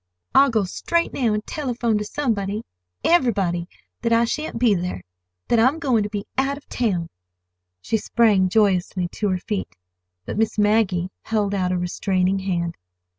I'll go straight now and telephone to somebody—everybody—that I shan't be there; that I'm going to be out of town!" She sprang joyously to her feet—but Miss Maggie held out a restraining hand.